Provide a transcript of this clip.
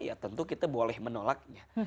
ya tentu kita boleh menolaknya